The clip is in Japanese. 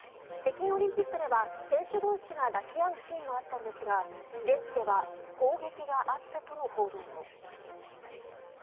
北京オリンピックでは選手同士が抱き合うシーンもあったんですが現地では砲撃があったとの報道も。